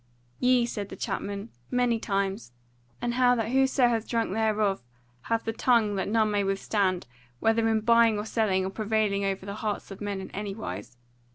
"Yea," said the chapman, "many times; and how that whoso hath drunk thereof hath the tongue that none may withstand, whether in buying or selling, or prevailing over the hearts of men in any wise.